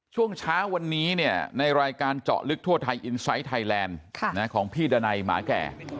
ช่วงเช้าวันนี้เนี่ยในรายการเจาะลึกทั่วไทยอินไซต์ไทยแลนด์ของพี่ดานัยหมาแก่